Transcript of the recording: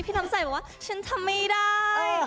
พี่น้ำสายบอกว่าฉันทำไม่ได้